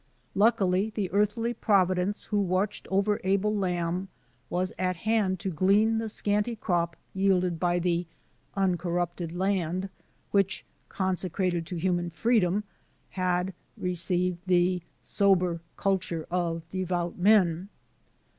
Luckily, the earthly providence who watched over Abel Lamb was at hand to glean the scanty crop yielded by the "uncorrupted land," which, "consecrated to human freedom," had received "the sober culture of devout men."